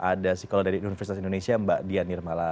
ada psikolog dari universitas indonesia mbak dian nirmala